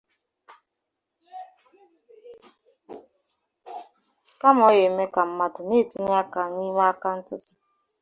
kama na ọ na-emekwa ka mmadụ na-etinye aka n'ime aka ntụtụ